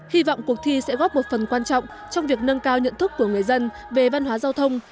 hy vọng cuộc thi sẽ góp một phần quan trọng trong việc nâng cao nhận thức của người dân về văn hóa giao thông